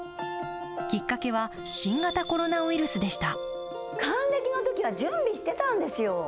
きっかけは新型コロナウイルスでした。